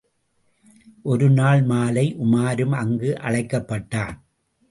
ஒரு நாள் மாலை உமாரும் அங்கு அழைக்கப்பட்டான்.